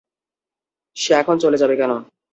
সে এখন চলে যাবে কেন?